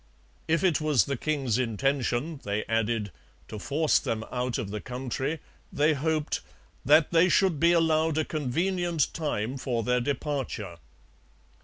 If it was the king's intention, they added, to force them out of the country, they hoped 'that they should be allowed a convenient time for their departure.'